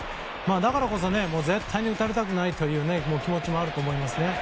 だからこそ絶対に打たれたくないという気持ちもあると思いますね。